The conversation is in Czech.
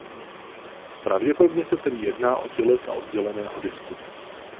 Pravděpodobně se tedy jedná o tělesa odděleného disku.